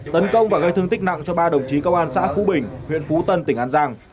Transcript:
tấn công và gây thương tích nặng cho ba đồng chí công an xã phú bình huyện phú tân tỉnh an giang